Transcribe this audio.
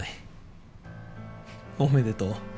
おめでとう。